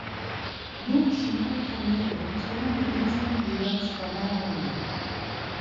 Nur schmale Kanäle trennen die Inseln jeweils voneinander.